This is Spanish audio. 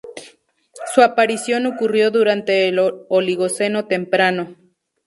Su aparición ocurrió durante el Oligoceno temprano.